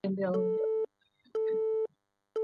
Mnyama kutembea ovyo